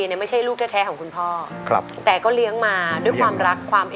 นอกจากพ่อกับแม่ก็มีแต่เจ้าฮนเดอร์อ้ายว่า